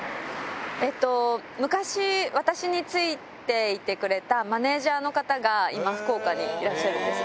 えっと、昔、私についていてくれたマネージャーの方が、今、福岡にいらっしゃるんです。